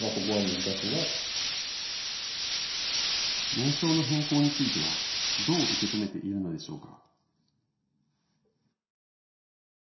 名称の変更についてはどう受け止めているのでしょうか。